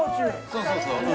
そうそうそううん。